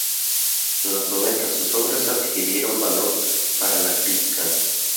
En los noventa sus obras adquirieron valor para la crítica.